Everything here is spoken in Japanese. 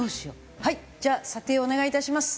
はいじゃあ査定をお願いいたします。